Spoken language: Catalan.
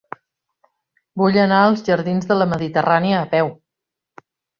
Vull anar als jardins de la Mediterrània a peu.